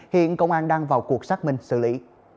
hiện công an đang vào cuộc xác minh xử lý